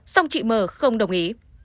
xong chị m không đồng ý